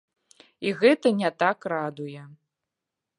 І гэта не так радуе.